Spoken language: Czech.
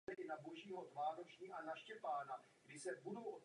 V tomto smyslu pak z italštiny přešlo do jiných evropských jazyků.